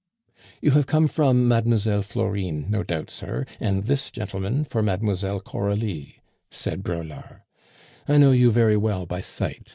"You have come from Mlle. Florine, no doubt, sir, and this gentleman for Mlle. Coralie," said Braulard; "I know you very well by sight.